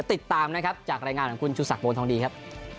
ติดตามนะครับจากรายงานของคุณชูศักดิโบทองดีครับ